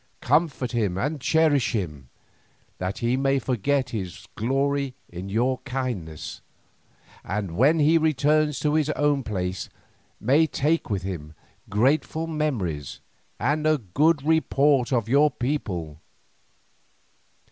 Comfort him and cherish him, that he may forget his glory in your kindness, and when he returns to his own place may take with him grateful memories and a good report of your people.